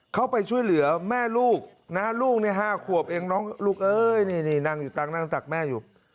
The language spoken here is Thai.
เข้าไปช่วยเหลือแม่ลูกนะลูก๕ขวบเองน้องลูกเอ้ยนี่นั่งอยู่ตั้งนั่งตักแม่อยู่